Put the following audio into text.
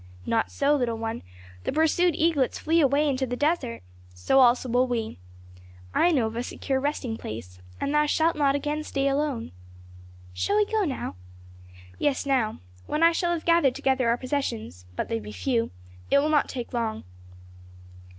"Not so, little one; the pursued eaglets flee away into the desert. So also will we. I know of a secure resting place, and thou shalt not again stay alone." "Shall we go now?" "Yes, now. When I shall have gathered together our possessions; but they be few, it will not take long."